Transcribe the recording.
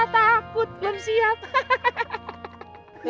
takut belum siap